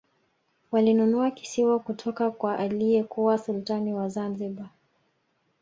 walinunua kisiwa kutoka kwa aliyekuwa sultani wa zanzibar